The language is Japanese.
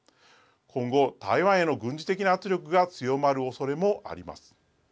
今後、台湾への軍事的な圧力が強まるおそれもあります。